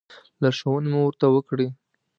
لارښوونې مو ورته وکړې.